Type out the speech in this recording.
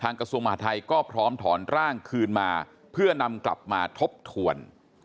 กระทรวงมหาทัยก็พร้อมถอนร่างคืนมาเพื่อนำกลับมาทบทวน